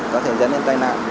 có thể dẫn đến tai nạn